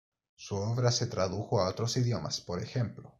Su obra se tradujo a otros idiomas, p. ej.